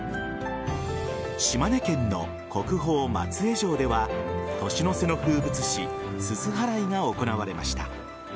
島根県の国宝・松江城では年の瀬の風物詩すす払いが行われました。